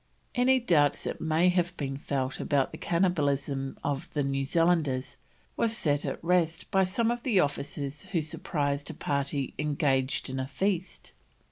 Any doubts that may have been felt about the cannibalism of the New Zealanders was set at rest by some of the officers who surprised a party engaged in a feast.